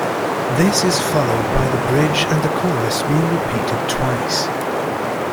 This is followed by the bridge and the chorus being repeated twice.